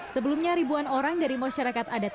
sebelumnya ribuan orang dari masyarakat adat